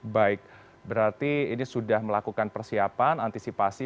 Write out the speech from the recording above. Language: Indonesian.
baik berarti ini sudah melakukan persiapan antisipasi